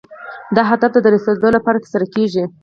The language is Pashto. دا هدف ته د رسیدو لپاره ترسره کیږي.